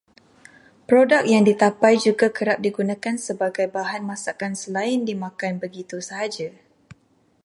Produk yang ditapai juga kerap digunakan sebagai bahan masakan selain dimakan begitu sahaja.